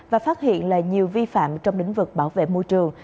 và phát hiện là nhiều vi phạm trong lĩnh vực bảo vệ môi trường